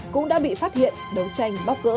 cũng đã bị phát hiện đấu tranh bóc cỡ